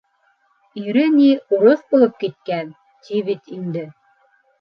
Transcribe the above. Ире ни, урыҫ булып киткән, ти бит инде.